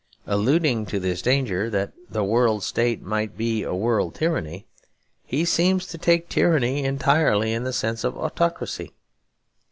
Alluding to this danger, that the World State might be a world tyranny, he seems to take tyranny entirely in the sense of autocracy.